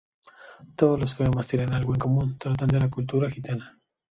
Todos los poemas tienen algo en común, tratan de la cultura gitana.